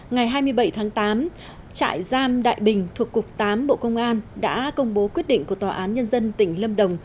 ngày hai mươi bảy tháng tám trại giam đại bình thuộc cục tám bộ công an đã công bố quyết định của tòa án nhân dân tỉnh lâm đồng